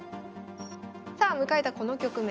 さあ迎えたこの局面